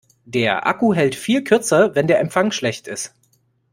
Der Akku hält viel kürzer, wenn der Empfang schlecht ist.